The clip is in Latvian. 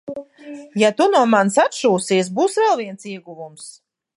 Ja tu no manis atšūsies, būs vēl viens ieguvums.